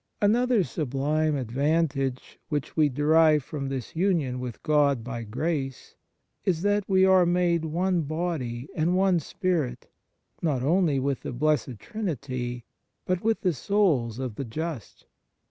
Another sublime advantage which we derive from this union with God by grace is that we are made " one body and one spirit, not only with the Blessod Trinity 81 ~ THE MARVELS OF DIVINE GRACE but with the souls of the just."